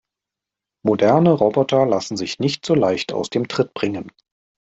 Moderne Roboter lassen sich nicht so leicht aus dem Tritt bringen.